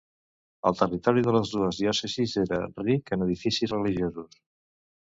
El territori de les dues diòcesis era ric en edificis religiosos.